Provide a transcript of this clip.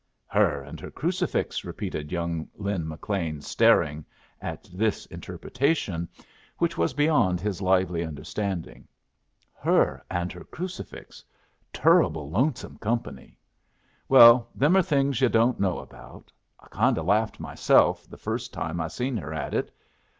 "Her and her crucifix!" repeated young Lin McLean, staring at this interpretation, which was beyond his lively understanding. "Her and her crucifix. Turruble lonesome company! Well, them are things yu' don't know about. I kind o' laughed myself the first time I seen her at it.